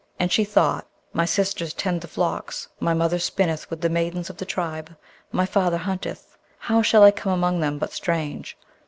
And she thought, 'My sisters tend the flocks, my mother spinneth with the maidens of the tribe, my father hunteth; how shall I come among them but strange?